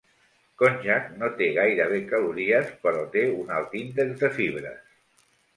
Konjac no té gairebé calories però té un alt índex de fibres.